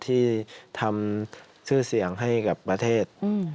ที่ทำชื่อเสียงให้กับประเทศ